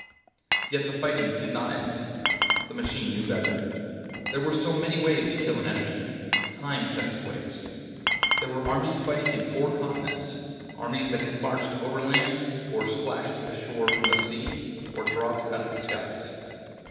Yet the fighting did not end. The machine knew better. There were still many ways to kill an enemy. Time tested ways. There were armies fighting in four continents, armies that had marched overland, or splashed ashore from the sea, or dropped out of the skies.